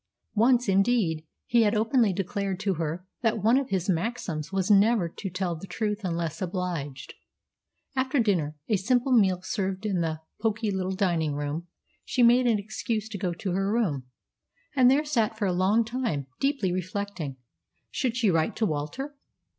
Once, indeed, he had openly declared to her that one of his maxims was never to tell the truth unless obliged. After dinner, a simple meal served in the poky little dining room, she made an excuse to go to her room, and there sat for a long time, deeply reflecting. Should she write to Walter?